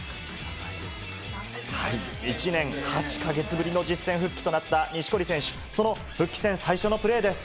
１年８か月ぶりの実戦復帰となった錦織選手、その復帰戦、最初のプレーです。